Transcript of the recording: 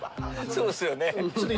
そうっすよね。